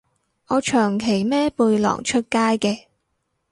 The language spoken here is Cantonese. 我長期孭背囊出街嘅